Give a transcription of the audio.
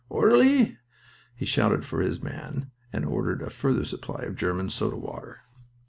Orderly!" He shouted for his man and ordered a further supply of German soda water.